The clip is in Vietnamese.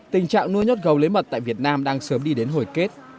tình trạng nuôi nhốt gấu lấy mật tại việt nam đang sớm đi đến hồi kết